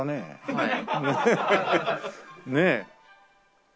はい。